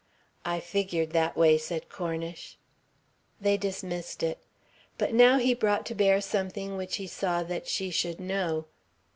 "I figured that way," said Cornish. They dismissed it. But now he brought to bear something which he saw that she should know.